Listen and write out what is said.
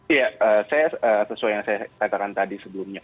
iya saya sesuai yang saya katakan tadi sebelumnya